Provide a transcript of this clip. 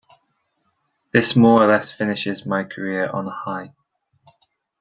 This more or less finishes my career on a high.